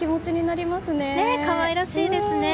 可愛らしいですね。